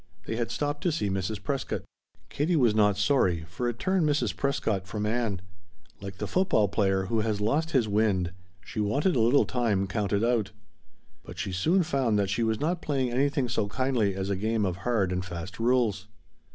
They had stopped to see Mrs. Prescott. Katie was not sorry, for it turned Mrs. Prescott from Ann. Like the football player who has lost his wind, she wanted a little time counted out. But she soon found that she was not playing anything so kindly as a game of hard and fast rules.